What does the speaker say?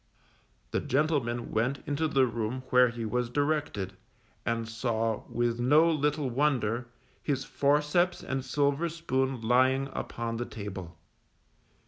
_ The gentleman went into the room where he was directed, and saw, with no little wonder, his forceps and silver spoon lying upon the table.